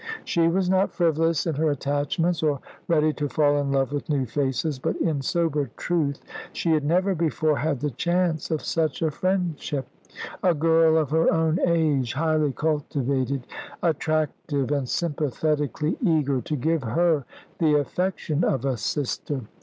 She was not frivolous in her attachments, or ready to fall in love with new faces; but, in sober truth, she had never before had the chance of such a friendship a girl of her own age, highly cultivated, attractive, and sympathetically eager to give her the affection of a sister.